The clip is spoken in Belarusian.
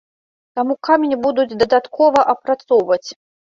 Таму камень будуць дадаткова апрацоўваць.